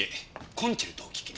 コンチェルトを聴きに。